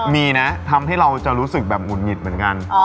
มีนะทำให้เราจะรู้สึกแบบหุดหงิดเหมือนกัน